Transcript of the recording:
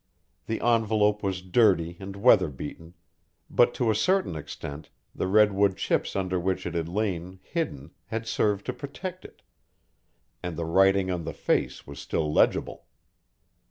The envelope was dirty and weather beaten, but to a certain extent the redwood chips under which it had lain hidden had served to protect it, and the writing on the face was still legible.